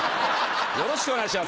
よろしくお願いします。